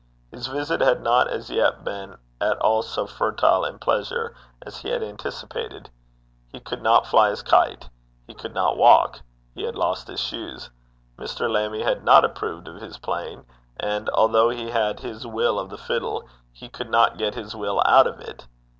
His visit had not as yet been at all so fertile in pleasure as he had anticipated. He could not fly his kite; he could not walk; he had lost his shoes; Mr. Lammie had not approved of his playing; and, although he had his will of the fiddle, he could not get his will out of it.